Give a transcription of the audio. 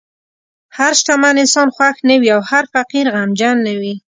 هر شتمن انسان خوښ نه وي، او هر فقیر غمجن نه وي.